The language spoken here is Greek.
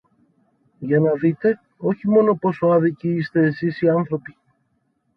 για να δείτε, όχι μόνο πόσο άδικοι είστε σεις οι άνθρωποι